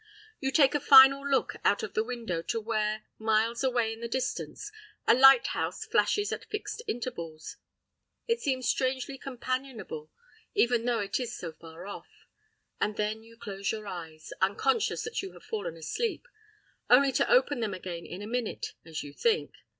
You take a final look out of the window to where, miles away in the distance, a lighthouse flashes at fixed intervals. It seems strangely companionable, even though it is so far off. And then you close your eyes—unconscious that you have fallen asleep—only to open them again in a minute, as you think.